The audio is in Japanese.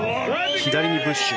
左にブッシュ。